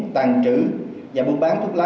tàn trữ và buôn bán thuốc lá